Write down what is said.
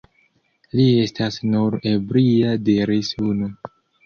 Li estas nur ebria, diris unu.